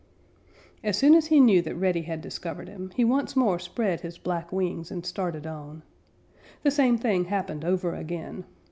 As soon as he knew that Reddy had discovered him, he once more spread his black wings and started on. The same thing happened over again.